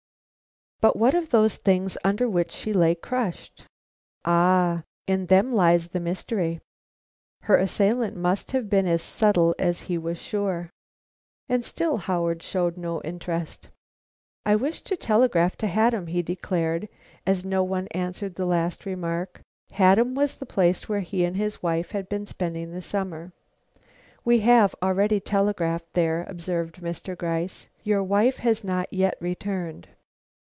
"But what of those things under which she lay crushed?" "Ah, in them lies the mystery! Her assailant must have been as subtle as he was sure." And still Howard showed no interest. "I wish to telegraph to Haddam," he declared, as no one answered the last remark. Haddam was the place where he and his wife had been spending the summer. "We have already telegraphed there," observed Mr. Gryce. "Your wife has not yet returned."